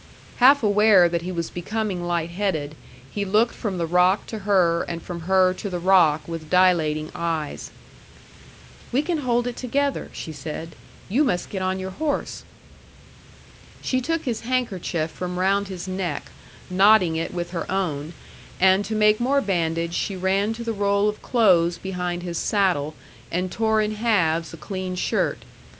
Half aware that he was becoming light headed, he looked from the rock to her and from her to the rock with dilating eyes. "We can hold it together," she said. "You must get on your horse." She took his handkerchief from round his neck, knotting it with her own, and to make more bandage she ran to the roll of clothes behind his saddle and tore in halves a clean shirt.